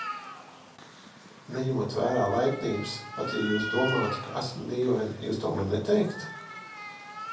Neņemot vērā laipnības, pat ja jūs domātu, ka esmu dīvaina, jūs to man neteiktu?